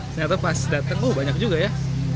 ternyata pas datang oh banyak juga ya